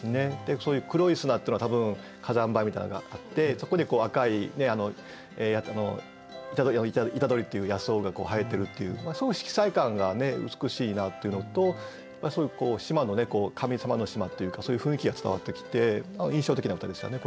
そういう黒い砂っていうのは多分火山灰みたいなのがあってそこで赤い虎杖っていう野草が生えてるっていう色彩感が美しいなっていうのとそういう島のね神様の島っていうかそういう雰囲気が伝わってきて印象的な歌でしたね